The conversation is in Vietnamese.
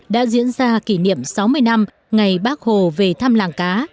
đã diễn ra kỷ niệm sáu mươi năm ngày bác hồ về thăm làng cá